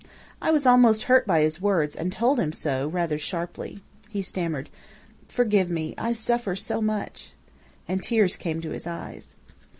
"I was almost hurt by his words, and told him so, rather sharply. He stammered: "'Forgive me. I suffer so much!' "And tears came to his eyes.